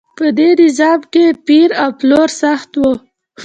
په دې نظام کې پیر او پلور سخت و.